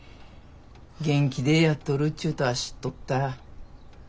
元気でやっとるちゅうとは知っとった。